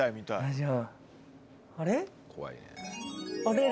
あれ？